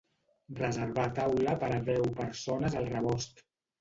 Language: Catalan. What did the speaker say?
Reservar taula per a deu persones al Rebost.